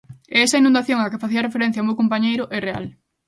E esa inundación á que facía referencia o meu compañeiro é real.